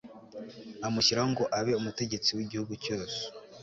amushyiraho ngo abe umutegetsi w'igihugu cyose